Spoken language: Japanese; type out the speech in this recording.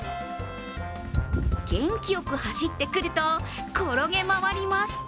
元気よく走ってくると転げ回ります。